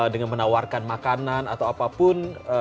dengan menawarkan makanan atau apapun